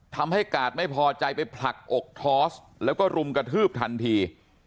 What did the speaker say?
กาดไม่พอใจไปผลักอกทอสแล้วก็รุมกระทืบทันที